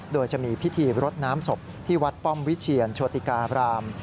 โดยจะมีพิธีรดน้ำศพที่วัดป้อมวิเชียรโชติการาม